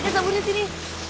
nih lo sambutin sini